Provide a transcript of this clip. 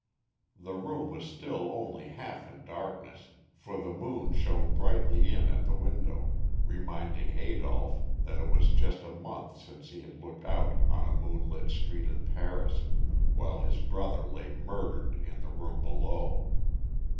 The room was still only half in darkness, for the moon shone brightly in at the window, reminding Adolph that it was just a month since he had looked out on a moonlit street in Paris, while his brother lay murdered in the room below.